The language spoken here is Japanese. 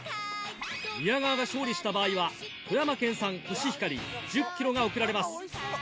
宮川が勝利した場合は富山県産コシヒカリ１０ｋｇが贈られます